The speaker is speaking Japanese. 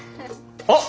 あっ！